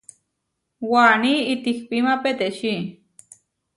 Waní itihpíma petečí.